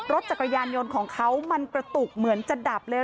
รถจักรยานยนต์ของเขามันกระตุกเหมือนจะดับเลย